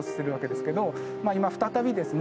今再びですね